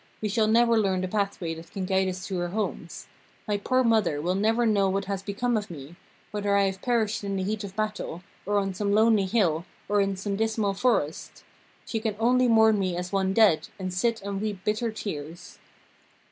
We shall never learn the pathway that can guide us to our homes. My poor mother will never know what has become of me whether I have perished in the heat of battle, or on some lonely hill, or in some dismal forest. She can only mourn me as one dead, and sit and weep bitter tears.'